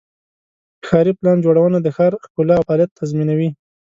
ښاري پلان جوړونه د ښار ښکلا او فعالیت تضمینوي.